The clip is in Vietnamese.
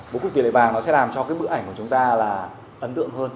bố cục tiền lệ vàng nó sẽ làm cho cái bức ảnh của chúng ta là ấn tượng hơn